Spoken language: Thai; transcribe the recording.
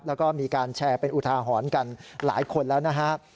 แล้วก็มีการแชร์เป็นอุทาหรณ์กันหลายคนแล้วนะฮะ